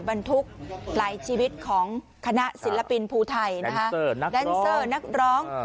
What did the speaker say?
บรรทุกไหลชีวิตของคณะศิลปินภูทัยนะคะนักร้องนักร้อง